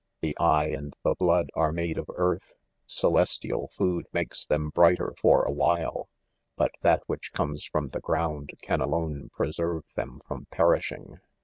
The eye and the blood are made of earth ; ce lestial food makes them brighter for a while, but that which comes from the ground can alone preserve them from perishing.